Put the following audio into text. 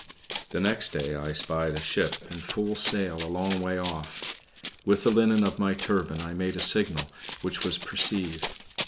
The next day I spied a ship in full sail a long way off. With the linen of my turban I made a signal, which was perceived.